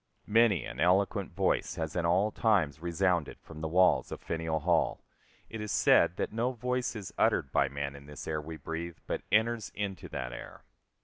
Many an eloquent voice has in all times resounded from the walls of Faneuil Hall. It is said that no voice is uttered by man in this air we breathe but enters into that air.